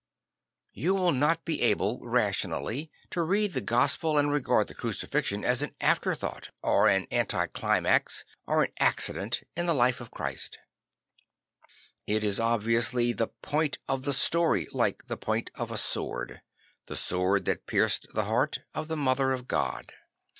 You will not be able rationally to read the Gospel and regard the Crucifixion as an afterthought or an anti climax or an accident in the life of Christ; it is obviously the point of the story like the point of a sword, the sword that pierced the heart of the Mother of God.